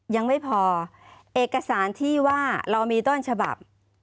ยังไม่พอเอกสารที่ว่าเรามีต้นฉบับ